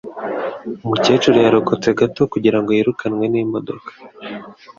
Umukecuru yarokotse gato kugirango yirukanwe n'imodoka.